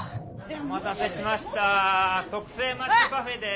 お待たせしました特製まっちゃパフェです。